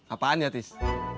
apaan ya tis